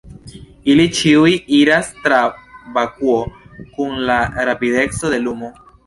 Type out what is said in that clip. Ili ĉiuj iras tra vakuo kun la rapideco de lumo.